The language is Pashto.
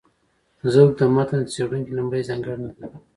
ذوق د متن څېړونکي لومړۍ ځانګړنه ده.